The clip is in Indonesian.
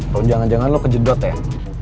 tolong jangan jangan lo kejedot ya